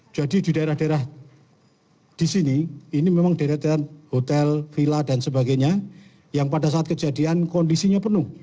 jadi di daerah daerah di sini ini memang daerah daerah hotel villa dan sebagainya yang pada saat kejadian kondisinya penuh